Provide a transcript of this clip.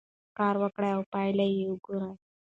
کار وکړئ او پایله یې وګورئ.